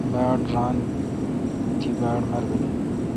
باڑ ران۔ تی باڑمربینی۔